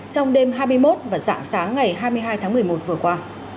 trong đêm hai mươi một và dạng sáng ngày hai mươi hai tháng một mươi một vừa qua